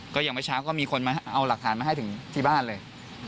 ก็อย่างเมื่อเช้าก็มีคนมาเอาหลักฐานมาให้ถึงที่บ้านเลย